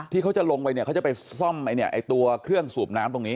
เขาจะลงไปเนี่ยเขาจะไปซ่อมตัวเครื่องสูบน้ำตรงนี้